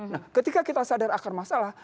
nah ketika kita sadar akar masalah